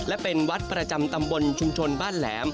และเป็นวัดประจำตำบลชุมชนบ้านแหลม